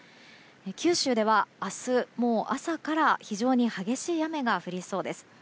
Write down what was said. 九州では明日、もう朝から非常に激しい雨が降りそうです。